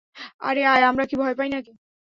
আরে, আয় আমরা কি ভয় পাই নাকি?